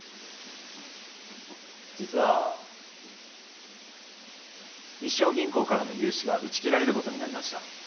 実は日章銀行からの融資が打ち切られることになりました。